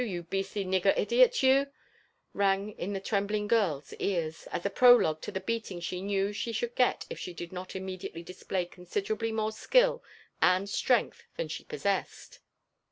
you beastly, sigger idiot, yo« I" rang in the trembling girl's ears, as a prologue to the beattDg she knew she should get if she did not immediately display eonsideraUy more skill and strength than she possessed.